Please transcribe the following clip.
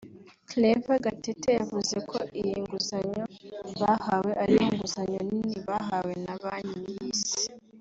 Claver Gatete yavuze ko iyi nguzanyo bahawe ariyo nguzanyo nini bahawe na banki y’isi